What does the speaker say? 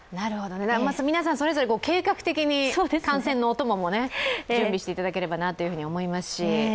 皆さんそれぞれ計画的に観戦のお供も準備していただければなと思います。